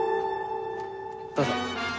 どうぞ。